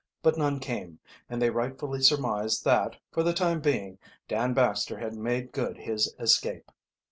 But none came, and they rightfully surmised that, for the time being, Dan Baxter had made good his escape.